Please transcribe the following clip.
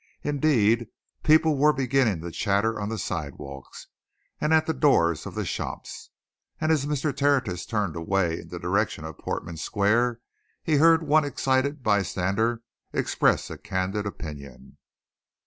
Indeed, people were beginning to chatter on the sidewalks, and at the doors of the shops. And as Mr. Tertius turned away in the direction of Portman Square, he heard one excited bystander express a candid opinion.